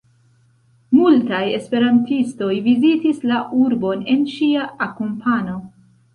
Multaj esperantistoj vizitis la urbon en ŝia akompano.